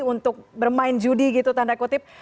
untuk bermain judi gitu tanda kutip